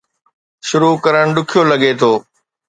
شروع ڪرڻ ڏکيو لڳي ٿو